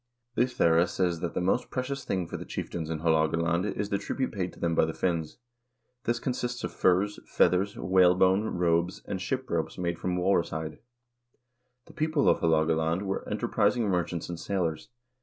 Ohthere 1 says that the most precious thing for the chieftains in Haalogaland is the tribute paid them by the Finns. This consists of furs, feathers, whalebone, robes, and ship ropes made from walrus hide. The people of Haalogaland were enter prising merchants and sailors.